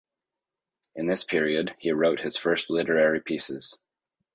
In this period, he wrote his first literary pieces.